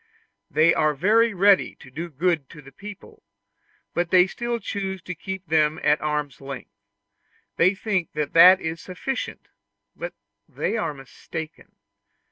They are very ready to do good to the people, but they still choose to keep them at arm's length; they think that is sufficient, but they are mistaken.